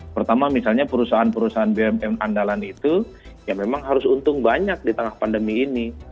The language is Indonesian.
pertama misalnya perusahaan perusahaan bumn andalan itu ya memang harus untung banyak di tengah pandemi ini